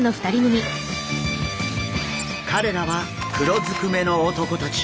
彼らは黒ずくめの男たち。